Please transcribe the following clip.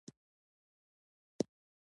نفاق د دښمن کار دی